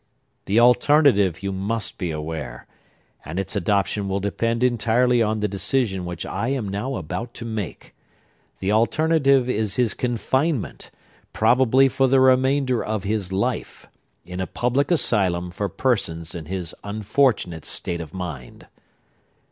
The alternative, you must be aware,—and its adoption will depend entirely on the decision which I am now about to make,—the alternative is his confinement, probably for the remainder of his life, in a public asylum for persons in his unfortunate state of mind."